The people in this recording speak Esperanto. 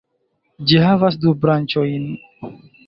Ĝi havas du branĉojn.